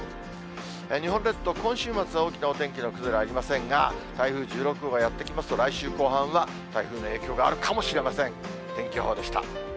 日本列島、今週末は大きなお天気の崩れはありませんが、台風１６号がやって来ますと、来週後半は、台風の影響があるかもしれません。